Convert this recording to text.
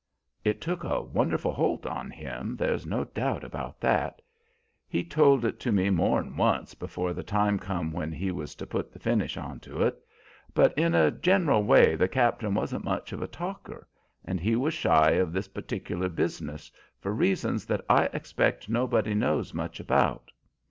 It took a wonderful holt on him, there's no doubt about that. He told it to me more 'n once before the time come when he was to put the finish on to it; but in a gen'ral way the cap'n wan't much of a talker, and he was shy of this partic'lar business, for reasons that I expect nobody knows much about.